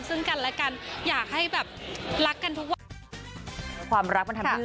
ซึ้งกันและกันอยากให้แบบรักกันทุกวัน